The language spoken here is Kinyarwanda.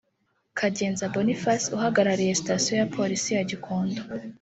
Kagenza Boniface uhagarariye Sitasiyo ya Polisi ya Gikonko